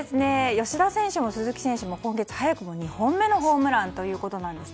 吉田選手も鈴木選手も今月早くも２本目のホームランということです。